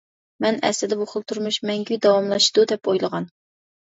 مەن ئەسلىدە بۇ خىل تۇرمۇش مەڭگۈ داۋاملىشىدۇ دەپ ئويلىغان.